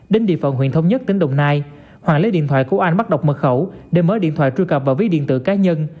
đến địa phận huyện thống nhất tỉnh đồng nai hoàng lấy điện thoại của anh bắt đọc mật khẩu để mở điện thoại truy cập vào ví điện tử cá nhân